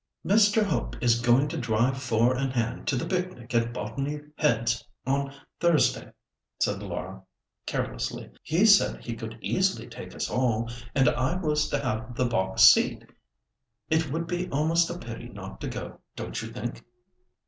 "Mr. Hope is going to drive four in hand to the picnic at Botany Heads on Thursday," said Laura, carelessly; "he said he could easily take us all, and I was to have the box seat. It would be almost a pity not to go, don't you think?"